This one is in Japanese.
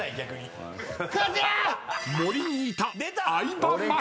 ［森にいた］